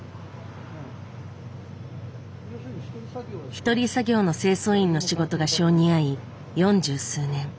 一人作業の清掃員の仕事が性に合い四十数年。